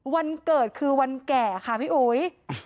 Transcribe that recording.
วันเกิดคือวันแก่ค่ะพี่อุ๋ย